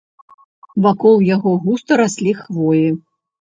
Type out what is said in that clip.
Вакол яго густа раслі хвоі.